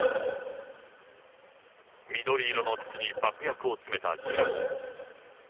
緑色の筒に爆薬を詰めた地雷。